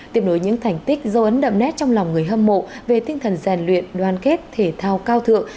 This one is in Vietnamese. tiếp nối những thành tích dấu ấn đậm nét trong lòng người hâm mộ về tinh thần rèn luyện đoàn kết thể thao cao thượng